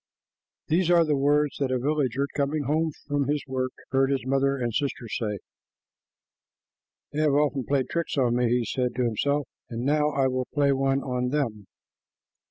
These are the words that a villager coming home from his work heard his mother and his sister say. "They have often played tricks on me," he said to himself, "and now I will play one on them."